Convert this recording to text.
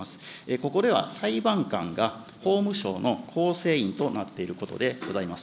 ここでは裁判官が、法務省の構成員となっていることでございます。